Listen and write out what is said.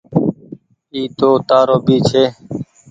اي تو تآرو ڀي ڇي۔